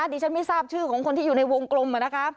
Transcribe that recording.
ดิฉันไม่ทราบชื่อของคนที่อยู่ในวงกลมนะคะ